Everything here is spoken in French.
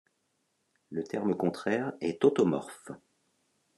Le terme contraire est automorphe.